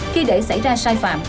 khi để xảy ra sai phạm